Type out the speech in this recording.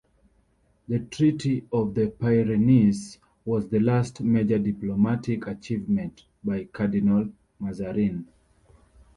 The Treaty of the Pyrenees was the last major diplomatic achievement by Cardinal Mazarin.